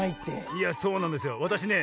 いやそうなんですよ。わたしね